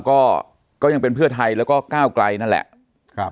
ก็ก็ยังเป็นเพื่อไทยแล้วก็ก้าวไกลนั่นแหละครับ